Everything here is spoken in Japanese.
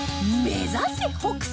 目指せ北斎！